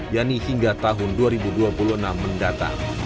yakni hingga tahun dua ribu dua puluh enam mendatang